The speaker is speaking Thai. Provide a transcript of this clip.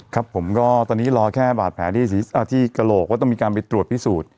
ครับผมก็ตอนนี้รอแค่บาดแผลที่กระโหลกว่าต้องมีการไปตรวจพิสูจน์